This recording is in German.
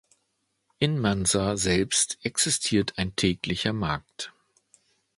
In Mansa selbst existiert ein täglicher Markt.